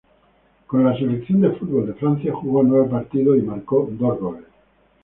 Con la selección de fútbol de Francia jugó nueve partidos y marcó dos goles.